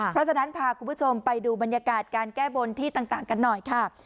เพราะฉะนั้นพาคุณผู้ชมไปดูบรรยากาศการแก้บนที่ต่างกันหน่อยค่ะ